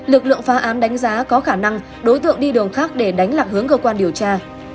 lực lượng phá án đánh giá có khả năng đối tượng đi đường khác để đánh lạc hướng cơ quan điều tra